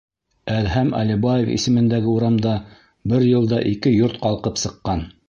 Әҙһәм Әлибаев исемендәге урамда бер йылда ике йорт ҡалҡып сыҡҡан.